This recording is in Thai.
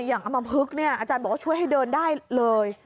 อย่างอัมพฤกษ์อาจารย์บอกว่าช่วยให้เดินได้เลย